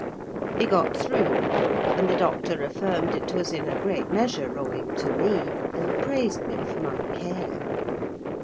He got through, and the doctor affirmed it was in a great measure owing to me, and praised me for my care.